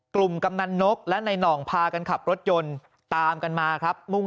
กำนันนกและในหน่องพากันขับรถยนต์ตามกันมาครับมุ่ง